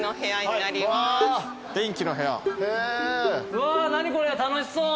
うわっ何これ楽しそう！